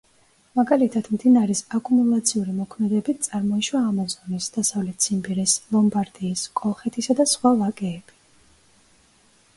მაგალითად, მდინარის აკუმულაციური მოქმედებით წარმოიშვა ამაზონის, დასავლეთ ციმბირის, ლომბარდიის, კოლხეთისა და სხვა ვაკეები.